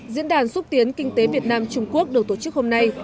diễn đàn xúc tiến kinh tế việt nam trung quốc được tổ chức hôm nay